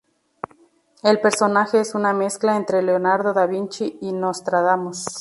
El personaje es una mezcla entre Leonardo Da Vinci y Nostradamus.